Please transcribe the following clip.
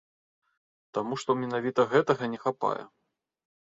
Таму што менавіта гэтага не хапае.